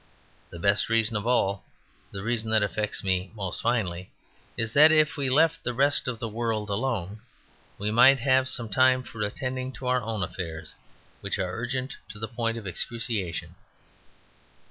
The best reason of all, the reason that affects me most finally, is that if we left the rest of the world alone we might have some time for attending to our own affairs, which are urgent to the point of excruciation.